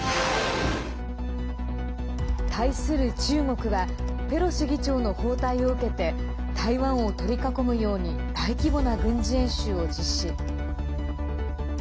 対する中国はペロシ議長の訪台を受けて台湾を取り囲むように大規模な軍事演習を実施。